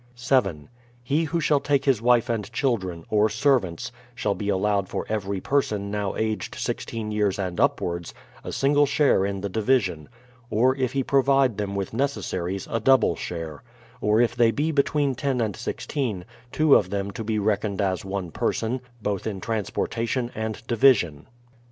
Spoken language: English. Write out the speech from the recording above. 7. He who shall take his wife and children, or servants, shall be allowed for every person now aged sixteen years and upwards, a single share in the division ; or if he provide them with necessaries, a double share; or if they be between ten and sixteen, two of them to be reckoned as one person, both in transportation and division.